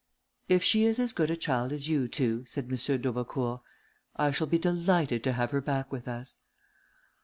"If she is as good a child as you two," said M. d'Aubecourt, "I shall be delighted to have her back with us."